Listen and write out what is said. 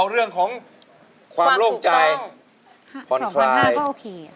จับมือประคองขอร้องอย่าได้เปลี่ยนไป